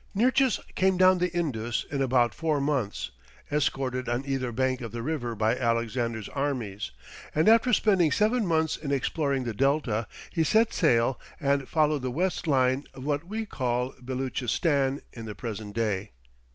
Nearchus came down the Indus in about four months, escorted on either bank of the river by Alexander's armies, and after spending seven months in exploring the Delta, he set sail and followed the west line of what we call Beloochistan in the present day.